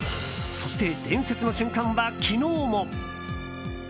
そして伝説の瞬間は、昨日も。